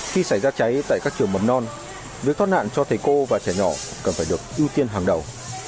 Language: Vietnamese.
khi xảy ra cháy tại các trường mầm non việc thoát nạn cho thầy cô và trẻ nhỏ cần phải được ưu tiên hàng đầu